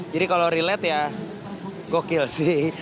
jadi kalau relate ya gokil sih